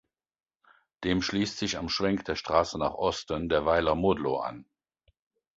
Dem schließt sich am Schwenk der Straße nach Osten der Weiler Modlo an.